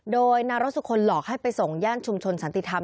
โดยนารสุคลหลอกให้ไปส่งย่านชุมชนสันติธรรม